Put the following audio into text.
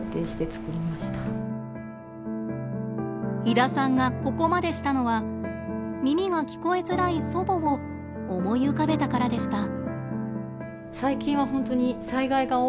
井田さんがここまでしたのは耳が聞こえづらい祖母を思い浮かべたからでした。